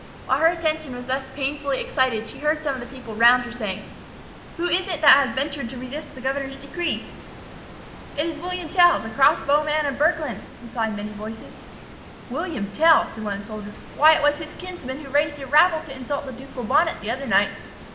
While her attention was thus painfully excited she heard some of the people round her saying, "Who is it that has ventured to resist the governor's decree?" "It is William Tell, the crossbow man of Burglen," replied many voices. "William Tell!" said one of the soldiers; "why it was his kinsman who raised a rabble to insult the ducal bonnet the other night."